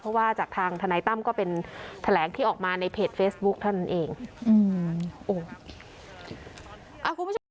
เพราะว่าจากทางทนายตั้มก็เป็นแถลงที่ออกมาในเพจเฟซบุ๊คเท่านั้นเองอืม